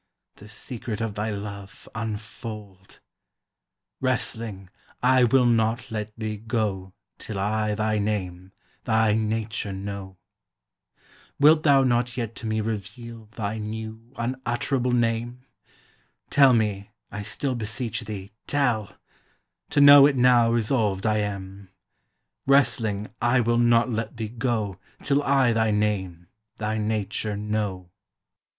The secret of thy love unfold; Wrestling, I will not let thee go Till I thy name, thy nature know. Wilt thou not yet to me reveal Thy new, unutterable name? Tell me, I still beseech thee, tell; To know it now resolved I am; Wrestling, I will not let thee go Till I thy name, thy nature know.